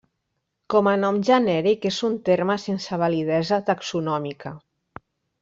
Com a nom genèric és un terme sense validesa taxonòmica.